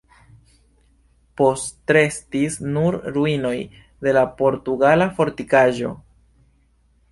Postrestis nur ruinoj de la portugala fortikaĵo.